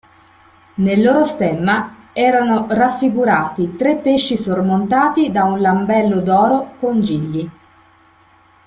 Nel loro stemma erano raffigurati tre pesci sormontati da un lambello d'oro con gigli.